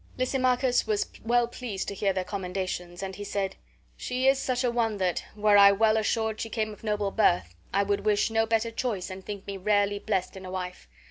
Lysimachus was well pleased to hear their commendations, and he said: "She is such a one that, were I well assured she came of noble birth, I would wish no better choice and think me rarely blessed in a wife."